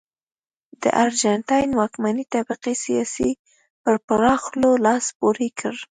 د ارجنټاین واکمنې طبقې سیاسي نظام په پراخولو لاس پورې کړ.